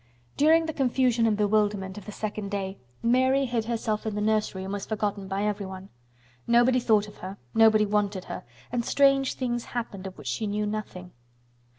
During the confusion and bewilderment of the second day Mary hid herself in the nursery and was forgotten by everyone. Nobody thought of her, nobody wanted her, and strange things happened of which she knew nothing.